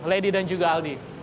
lady dan juga aldi